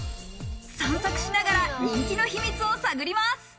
散策しながら人気の秘密を探ります。